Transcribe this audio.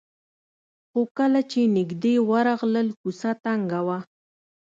خو کله چې نژدې ورغلل کوڅه تنګه وه.